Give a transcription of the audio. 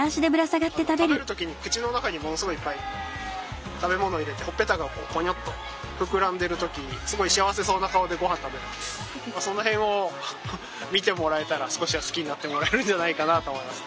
食べる時に口の中にものすごいいっぱい食べ物を入れてほっぺたがこうぽにょっと膨らんでる時すごい幸せそうな顔でごはん食べるのでその辺を見てもらえたら少しは好きになってもらえるんじゃないかなと思います。